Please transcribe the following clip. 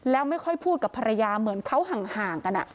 แล้วไม่ค่อยพูดกับภรรยาเหมือนเขาห่างกัน